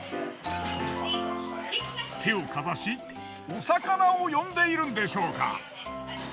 手をかざしお魚を呼んでいるんでしょうか。